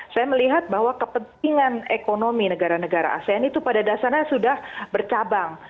saya melihat bahwa kepentingan ekonomi negara negara asean itu pada dasarnya sudah bercabang